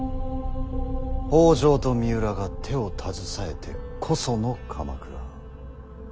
北条と三浦が手を携えてこその鎌倉。